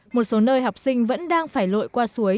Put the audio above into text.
một số nơi học sinh vẫn đang phải lội qua suối